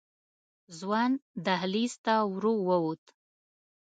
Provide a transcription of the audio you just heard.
ځوان دهلېز ته ورو ووت.